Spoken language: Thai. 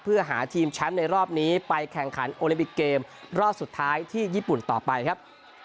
เพื่อหาทีมแชมป์ในรอบนี้ไปแข่งขันโอลิมปิกเกมรอบสุดท้ายที่ญี่ปุ่นต่อไปครับ